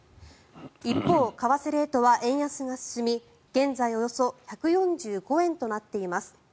一方、為替レートは円安が進み現在およそ１４５円となっています。